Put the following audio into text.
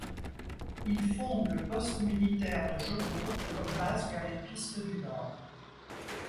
Il fonde le poste militaire de Joko comme base vers les pistes du nord.